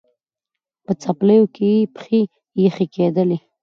په څپلیو کي یې پښې یخی کېدلې